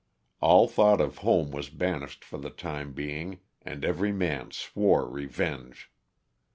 All thought of home was banished for the time being and every man swore revenge.